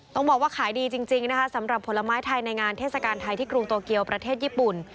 ต้องบอกว่าขายดีจริงนะคะสำหรับผลไม้ไทยในงานเทศกาลไทยที่กรุงโตเกียวประเทศญี่ปุ่น